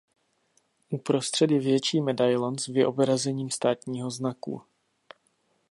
Uprostřed je větší medailon s vyobrazením státního znaku.